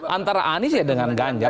antara anies ya dengan ganjar